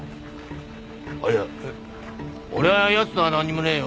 あいや俺はやつとはなんにもねえよ。